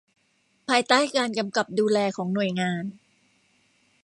ภายใต้การกำกับดูแลของหน่วยงาน